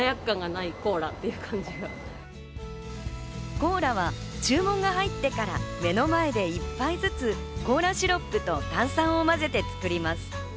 コーラは注文が入ってから目の前で１杯ずつコーラシロップと炭酸をまぜて作ります。